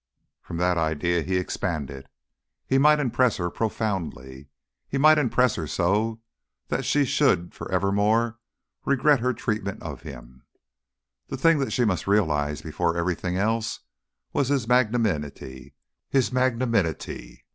From that idea he expanded. He might impress her profoundly he might impress her so that she should for evermore regret her treatment of him. The thing that she must realise before everything else was his magnanimity. His magnanimity!